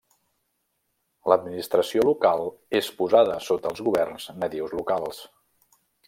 L'administració local és posada sota els governs nadius locals.